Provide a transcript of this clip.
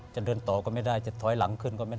จะเดินต่อก็ไม่ได้จะถอยหลังขึ้นก็ไม่ได้